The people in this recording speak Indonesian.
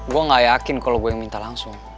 gue gak yakin kalau gue yang minta langsung